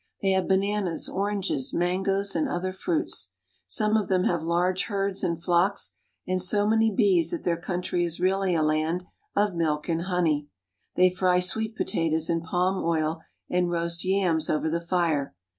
They have bananas, oranges, mangoes, and other fruits. Some of them have large herds and flocks, and so many bees that their country is really a land of milk and honey. They fry sweet pota toes in palm oil and roast yams over the fire.